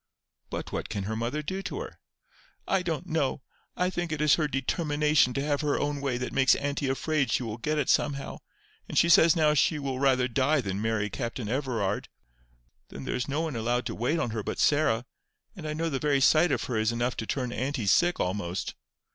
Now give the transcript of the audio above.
"But what can her mother do to her?" "I don't know. I think it is her determination to have her own way that makes auntie afraid she will get it somehow; and she says now she will rather die than marry Captain Everard. Then there is no one allowed to wait on her but Sarah, and I know the very sight of her is enough to turn auntie sick almost.